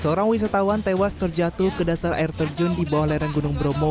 seorang wisatawan tewas terjatuh ke dasar air terjun di bawah lereng gunung bromo